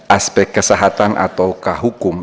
aspek kesehatan atau kehukum